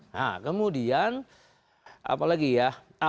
nah kemudian apa lagi ya